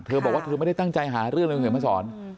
เธอบอกว่าเธอไม่ได้ตั้งใจหาเรื่องเลยคุณเห็นมาสอน